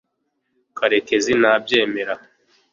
karekezi ntabyemera